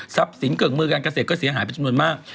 สินเกิ่งมือการเกษตรก็เสียหายเป็นจำนวนมาก